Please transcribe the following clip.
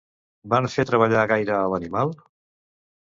Van fer treballar gaire a l'animal?